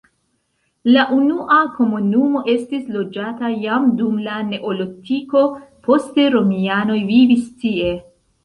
La nuna komunumo estis loĝata jam dum la neolitiko, poste romianoj vivis tie.